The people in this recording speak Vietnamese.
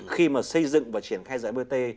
khi mà xây dựng và triển khai dõi bot